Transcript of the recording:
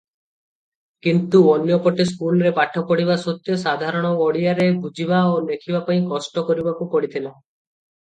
କିନ୍ତୁ ଅନ୍ୟ ପଟେ ସ୍କୁଲରେ ପାଠ ପଢ଼ିବା ସତ୍ତ୍ୱେ ସାଧାରଣ ଓଡ଼ିଆରେ ବୁଝିବା ଓ ଲେଖିବା ପାଇଁ କଷ୍ଟକରିବାକୁ ପଡ଼ିଥିଲା ।